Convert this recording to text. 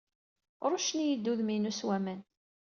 Ṛuccen-iyi-d udem-inu s waman.